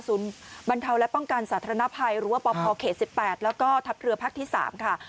บรรเทาและป้องกันสาธารณภัยหรือว่าปพเขต๑๘แล้วก็ทัพเรือภาคที่๓ค่ะ